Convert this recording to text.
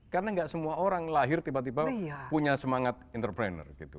karena enggak semua orang lahir tiba tiba punya semangat entrepreneur